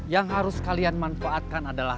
yang harus kalian manfaatkan adalah